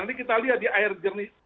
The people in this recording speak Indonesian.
ini kita lihat di air jernih